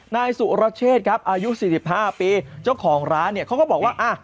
นายสุรเชษครับอายุ๔๕ปีเจ้าของร้านเนี่ยเขาก็บอกว่าอ่ะ